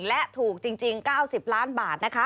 และถูกจริง๙๐ล้านบาทนะคะ